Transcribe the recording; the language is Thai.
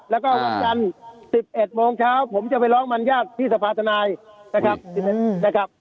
แล้วก็วันจันทร์๑๑โมงเช้าผมจะไปร้องบรรยาทที่สภาธนายนะครับ